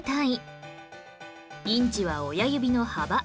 インチは親指の幅